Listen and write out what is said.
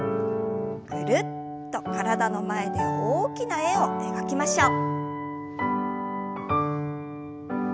ぐるっと体の前で大きな円を描きましょう。